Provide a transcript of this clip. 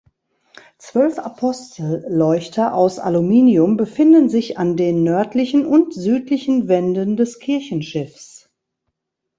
Zwölf Apostelleuchter aus Aluminium befinden sich an den nördlichen und südlichen Wänden des Kirchenschiffs.